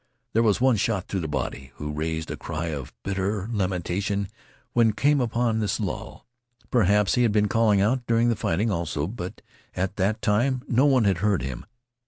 There was one shot through the body, who raised a cry of bitter lamentation when came this lull. Perhaps he had been calling out during the fighting also, but at that time no one had heard him.